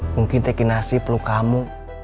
mungkin teh kinasi perlu kamu